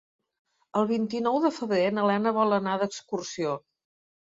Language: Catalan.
El vint-i-nou de febrer na Lena vol anar d'excursió.